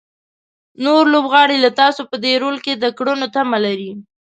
نور لوبغاړي له تاسو په دې رول کې د کړنو تمه لري.